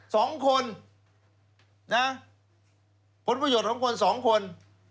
สองคนนะผลประโยชน์ของคนสองคน